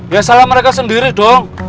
ya salah mereka sendiri dong